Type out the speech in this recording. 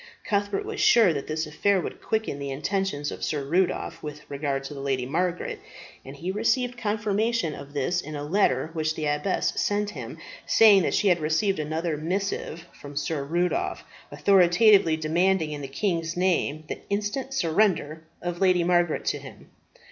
Cuthbert was sure that this affair would quicken the intentions of Sir Rudolph with regard to the Lady Margaret, and he received confirmation of this in a letter which the abbess sent him, saying that she had received another missive from Sir Rudolph, authoritatively demanding in the king's name the instant surrender of Lady Margaret to him.